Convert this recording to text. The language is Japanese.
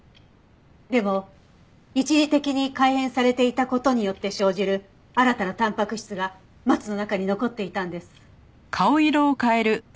でも一時的に改変されていた事によって生じる新たなたんぱく質がマツの中に残っていたんです。